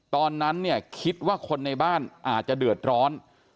ตอนนั้นเนี่ยคิดว่าคนในบ้านอาจจะเดือดร้อน